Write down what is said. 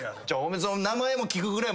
名前も聞くぐらい。